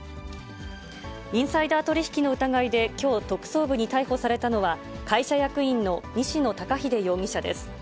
インサイダー取り引きの疑いできょう、特捜部に逮捕されたのは、会社役員の西野高秀容疑者です。